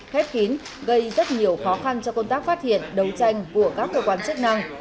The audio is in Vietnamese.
khép kín gây rất nhiều khó khăn cho công tác phát hiện đấu tranh của các cơ quan chức năng